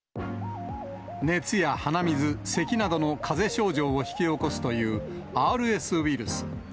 熱や鼻水、せきなどのかぜ症状を引き起こすという、ＲＳウイルス。